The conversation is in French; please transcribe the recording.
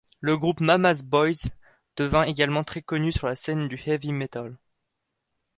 Le groupe Mama's Boys devint également très connu sur la scène du heavy metal.